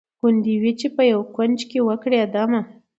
ګوندي وي په یوه کونج کي وکړي دمه